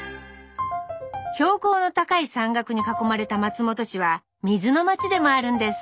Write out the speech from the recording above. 標高の高い山岳に囲まれた松本市は水の町でもあるんです。